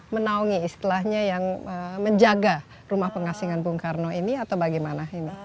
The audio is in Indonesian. menaungi istilahnya yang menjaga rumah pengasingan bung karno ini atau bagaimana ini